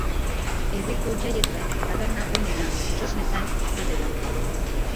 Herriko jaietan, parranda onena txoznetan izaten da.